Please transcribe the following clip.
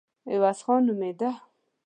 عوض خان نومېده.